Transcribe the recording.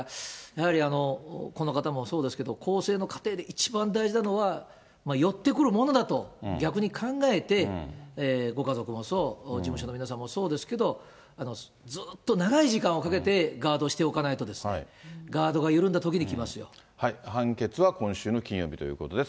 だからやはりこの方もそうですけれども、更生の過程で一番大事なのは、よってくるものだと、逆に考えて、ご家族もそう、事務所の皆さんもそうですけど、ずっと長い時間をかけてガードしておかないと、判決は今週の金曜日ということです。